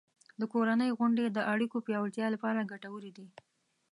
د کورنۍ غونډې د اړیکو پیاوړتیا لپاره ګټورې دي.